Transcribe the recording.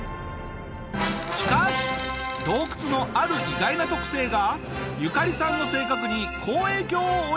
しかし洞窟のある意外な特性がユカリさんの性格に好影響を及ぼすんだ！